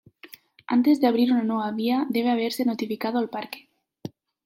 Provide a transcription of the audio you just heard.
Antes de abrir una nueva vía, debe haberse notificado al Parque.